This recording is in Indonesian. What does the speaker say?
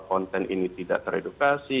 konten ini tidak teredukasi